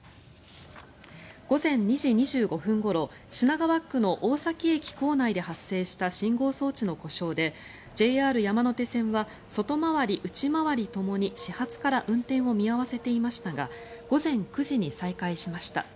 午前２時２５分ごろ品川区の大崎駅構内で発生した信号装置の故障でＪＲ山手線は外回り・内回りともに始発から運転を見合わせていましたが午前９時に再開しました。